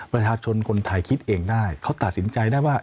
ประชาชนคนไทยคิดเองได้เขาตัดสินใจได้ว่า